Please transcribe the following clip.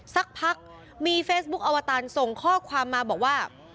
สักพักมีเฟซบุ๊คอวตารส่งข้อความมาบอกว่า